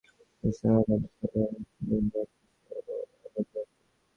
এ আয়োজনের প্রধান হোতা নিঃসন্দেহে ক্ষমতাসীন সরকারের সুবিধাভোগী কিছু রাজনৈতিক ব্যক্তি।